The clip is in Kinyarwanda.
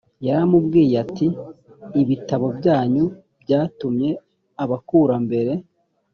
yaramubwiye ati ibitabo byanyu byatumye abakurambere